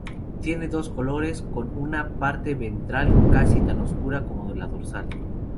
Tiene dos colores, con una parte ventral casi tan oscura como la dorsal.